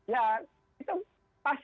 ya itu pasti